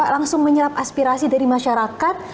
langsung menyerap aspirasi dari masyarakat